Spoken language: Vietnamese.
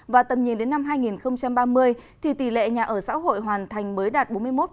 và tầm nhìn đến năm hai nghìn ba mươi thì tỷ lệ nhà ở xã hội hoàn thành mới đạt bốn mươi một